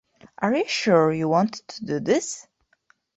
Are you sure you want to do this?